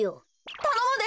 たのむで。